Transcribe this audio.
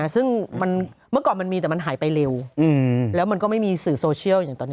ซึ่งเมื่อก่อนมันมีแต่มันหายไปเร็วแล้วมันก็ไม่มีสื่อโซเชียลอย่างตอนนี้